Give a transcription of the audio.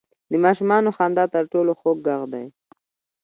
• د ماشومانو خندا تر ټولو خوږ ږغ دی.